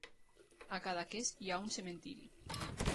A Cadaqués hi ha un cementiri.